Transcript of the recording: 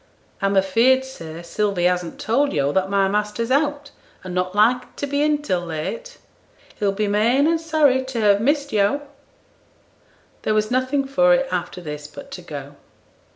'I'm afeared, sir, Sylvie hasn't told yo' that my master's out, and not like to be in till late. He'll be main and sorry to have missed yo'.' There was nothing for it after this but to go.